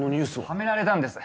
ハメられたんです。